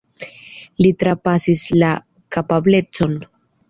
Li trapasis la kapablecon.